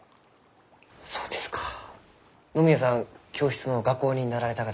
そうですか野宮さん教室の画工になられたがですね。